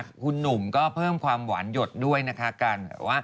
คุณหนุ่มก็เพิ่มความหวานหยดด้วยนะคะการแบบว่า